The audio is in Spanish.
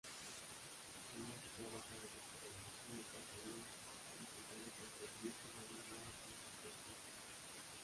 En el se trabaja la metodología por Tareas intentando conseguir un alumnado competencial.